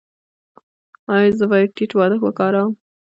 ایا زه باید ټیټ بالښت وکاروم؟